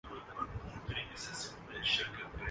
تو اس احتجاج نے اس کو دوسو روپے تک پہنچا دیا ہے۔